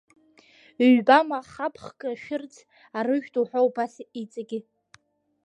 Ҩба ма хаб хкы ашәырӡ, арыжәтә уҳәа убас иҵегьы.